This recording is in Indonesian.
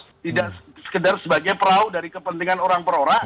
tidak sekedar sebagai perahu dari kepentingan orang per orang